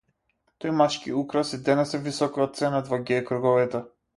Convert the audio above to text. Тој машки украс и денес е високо ценет во геј круговите.